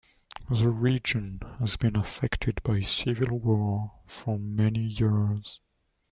The region has been affected by civil war for many years.